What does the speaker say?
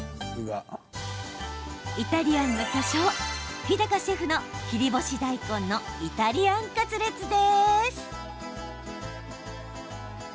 イタリアンの巨匠日高シェフの切り干し大根のイタリアンカツレツです。